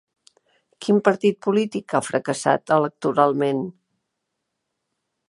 Quin partit polític ha fracassat electoralment?